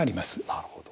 なるほど。